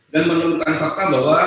dan menemukan fakta bahwa